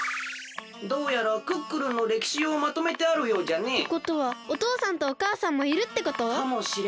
どうやらクックルンのれきしをまとめてあるようじゃね。ってことはおとうさんとおかあさんもいるってこと？かもしれんね。